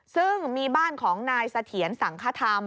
ซึ่งมีบ้านของนายเสถียรสังคธรรม